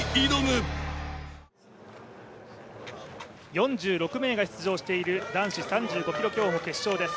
４６名が出場している男子３５ｋｍ競歩決勝です。